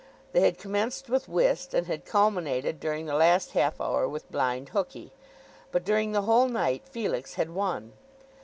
They had commenced with whist, and had culminated during the last half hour with blind hookey. But during the whole night Felix had won.